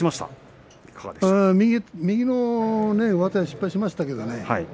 右の上手は失敗しましたけどね